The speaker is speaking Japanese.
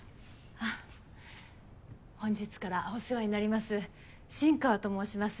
あっ本日からお世話になります新川と申します。